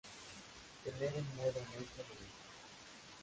Tener un modo honesto de vivir.